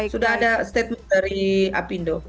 sudah ada statement dari apindo